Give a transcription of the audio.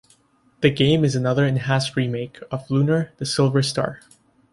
The game is another enhanced remake of "Lunar: The Silver Star".